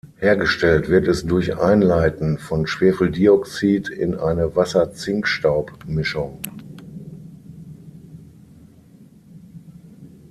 Hergestellt wird es durch Einleiten von Schwefeldioxid in eine Wasser-Zinkstaub-Mischung.